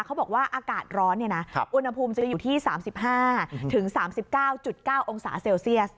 เขาบอกว่าอากาศร้อนอุณหภูมิจะอยู่ที่๓๕๓๙๙องศาเซลเซียส